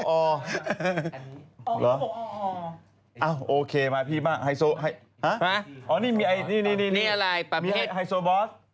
อ้าวโอเคมาพี่มาไฮโซฮะอ๋อนี่มีไฮโซบอส